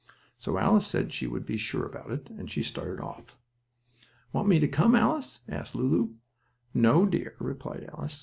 So Alice said she would be sure about it, and she started off. "Want me to come, Alice?" asked Lulu. "No, dear," replied her sister.